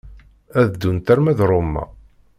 Ad ddunt arma d Roma.